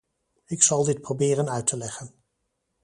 Ik zal dit proberen uit te leggen.